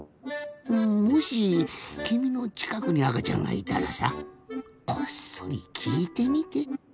うんもしきみのちかくにあかちゃんがいたらさこっそりきいてみて。